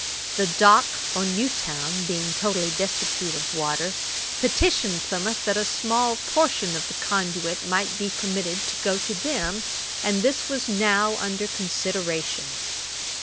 The Dock, or New town, being totally destitute of water, petitioned Plymouth that a small portion of the conduit might be permitted to go to them, and this was now under consideration.